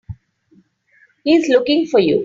He's looking for you.